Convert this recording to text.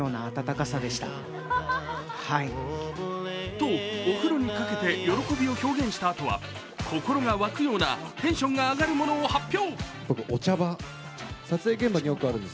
と、お風呂にかけて喜びを表現したあとは、心が沸くようなテンションが上がるものを発表。